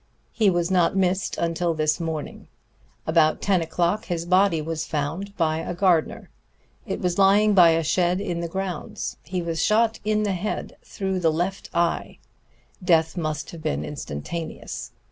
He was not missed until this morning. About ten o'clock his body was found by a gardener. It was lying by a shed in the grounds. He was shot in the head, through the left eye. Death must have been instantaneous.